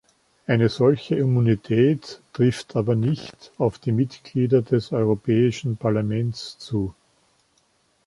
Eine solche Immunität trifft aber nicht auf die Mitglieder des Europäischen Parlaments zu.